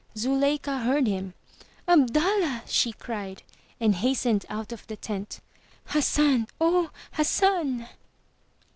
Zuleika heard him. ^'Abdallah!'' she cried, and hastened out of the tent. '^Hassan! O, Hassan!